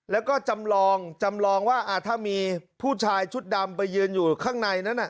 แล้วก็จำลองจำลองว่าถ้ามีผู้ชายชุดดำไปยืนอยู่ข้างในนั้น